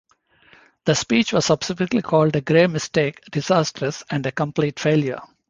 The speech was subsequently called a "grave mistake", "disastrous", and "a complete failure".